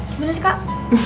gimana sih kak